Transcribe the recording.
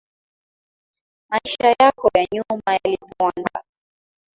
Maisha yako ya nyuma yalipoanza.